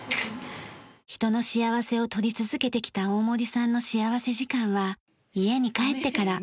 人の幸せを撮り続けてきた大森さんの幸福時間は家に帰ってから。